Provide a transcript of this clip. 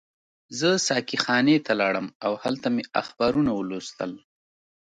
زه ساقي خانې ته لاړم او هلته مې اخبارونه ولوستل.